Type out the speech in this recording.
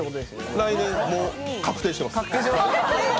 来年、もう確定してます。